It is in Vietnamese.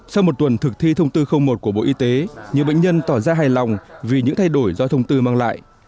sau một tuần thực thi thông tư một của bộ y tế nhiều bệnh nhân tỏ ra hài lòng vì những thay đổi do thông tư mang lại